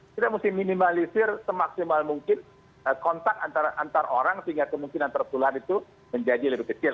kita mesti minimalisir semaksimal mungkin kontak antar orang sehingga kemungkinan tertular itu menjadi lebih kecil